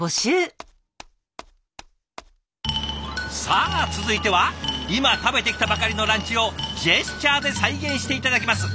さあ続いては今食べてきたばかりのランチをジェスチャーで再現して頂きます。